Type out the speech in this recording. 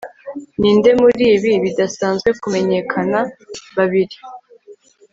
Ninde muribi bidasanzwe kumenyekana babiri